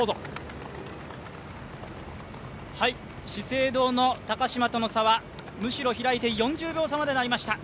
資生堂の高島との差はむしろ開いて４０秒差になりました。